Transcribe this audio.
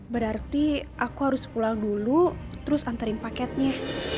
berarti aku harus pulang dulu terus anterin paketnya